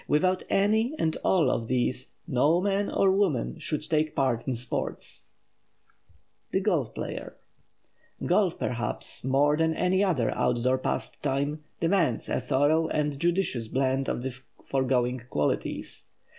Without any and all of these no man or woman should take part in sports. [Sidenote: THE GOLF PLAYER] Golf, perhaps, more than any other outdoor pastime, demands a thorough and judicious blend of the foregoing qualities.